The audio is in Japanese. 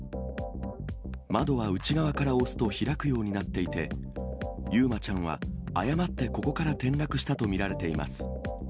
窓は内側から押すと開くようになっていて、結真ちゃんは、誤ってここから転落したと見られています。